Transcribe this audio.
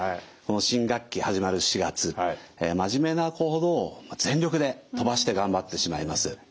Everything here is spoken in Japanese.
新学期始まる４月真面目な子ほど全力で飛ばして頑張ってしまいます。